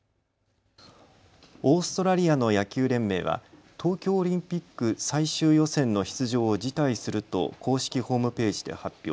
オーストラリアの野球連盟は東京オリンピック最終予選の出場を辞退すると公式ホームページで発表。